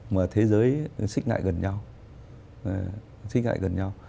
mà thế giới xích lại gần nhau xích ngại gần nhau